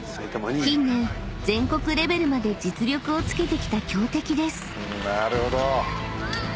［近年全国レベルまで実力をつけてきた強敵です］